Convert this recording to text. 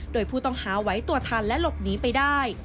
โดยผู้ต้องหาไหวตัวทันและหลบหนีไปได้